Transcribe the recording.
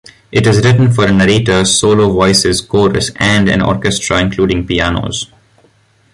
It is written for a narrator, solo voices, chorus, and an orchestra including pianos.